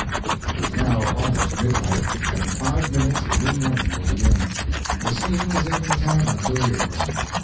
It is now almost midnight, and in five minutes the new morning will begin. The scene is in the tavern billiard room.